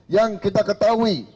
yang kita ketahui